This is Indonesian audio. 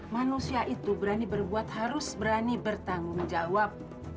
manusia itu berani berbuat harus berani bertanggung jawab